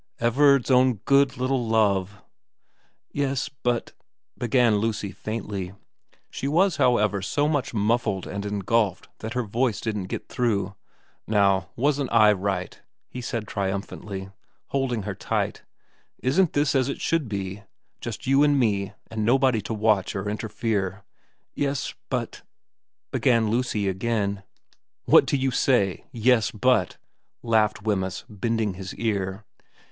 ' Everard's own good little love.' ' Yes, but ' began Lucy faintly. She was, how ever, so much muffled and engulfed that her voice didn't get through. ' Now wasn't I right? * he said triumphantly, holding her tight. ' Isn't this as it should be ? Just you and me, and nobody to watch or interfere ?'' Yes, but ' began Lucy again. ' What do you say ?" Yes, but ?"' laughed Wemyss, bending his ear.